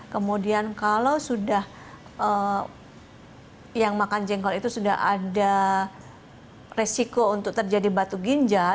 kemudian kalau sudah yang makan jengkol itu sudah ada resiko untuk terjadi batu ginjal